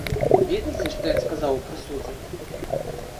Ведаеце, што ён сказаў у прысудзе?